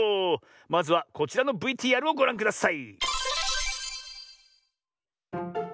まずはこちらのＶＴＲをごらんください。